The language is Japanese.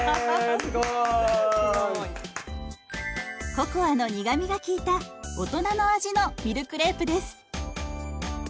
ココアの苦みが利いた大人の味のミルクレープです。